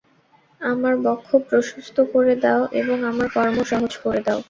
আমার বক্ষ প্রশস্ত করে দাও এবং আমার কর্ম সহজ করে দাও।